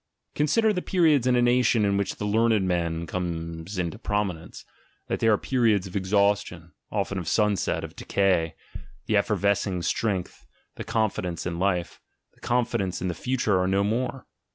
Consider the periods in a nation in which the learned man comes into prominence; they are the periods of exhaustion, often of sunset, of decay — the effervescing strength, the confidence in life, the confi dence in the future are no more.